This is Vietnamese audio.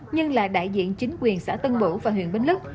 nhưng là đại diện chính quyền xã tân bũ và huyện bến lức